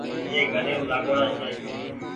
اي گھريم لآگآئو ڙآ ڇي